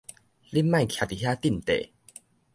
你莫徛佇遮鎮地